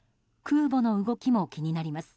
空母の動きも気になります。